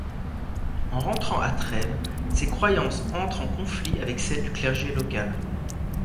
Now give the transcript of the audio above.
En rentrant à Trèves, ses croyances entrent en conflit avec celles du clergé local.